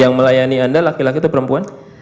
yang melayani anda laki laki atau perempuan